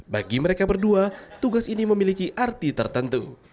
bagi mereka berdua tugas ini memiliki arti tertentu